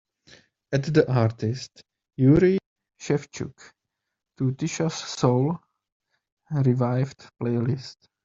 Add the artist Jurij Szewczuk to tisha's soul revived playlist.